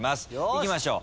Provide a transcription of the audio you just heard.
いきましょう。